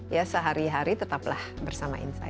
ya sehari hari tetaplah bersama insight